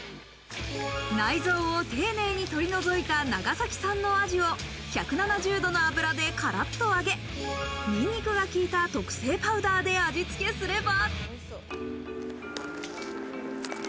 内臓を丁寧に取り除いた長崎産の鯵を１７０度の油でカラっと揚げ、ニンニクが効いた特製パウダーで味つけすれば。